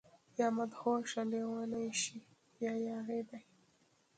يا مدهوشه، لیونۍ شي يا ياغي دي